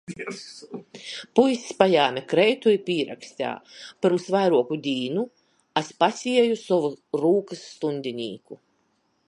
Puiss pajēme kreitu i pīraksteja: “Pyrms vairuoku dīnu es pasieju sovu rūkys stuņdinīku…”